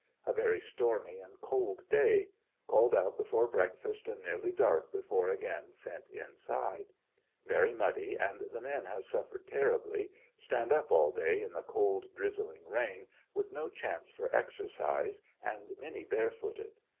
A very stormy and cold day; called out before breakfast and nearly darK before again sent inside Very muddy and the men have suflered terribly, stand up all day in the cold drizzling rain, with no chance for exercise and many barefooted.